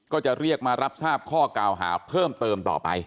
ก็จะเรียกมารับทราบข้อกล่าวหาเพิ่มเติมต่อไป